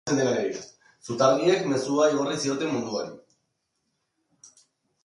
Zutarriek mezua igorri zioten munduari.